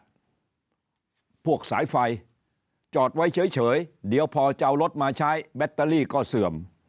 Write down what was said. พวกสายไฟจอดไว้เฉยเดี๋ยวพอจะเอารถมาใช้แบตเตอรี่ก็เสื่อม